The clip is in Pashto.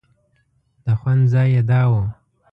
د خوند ځای یې دا و.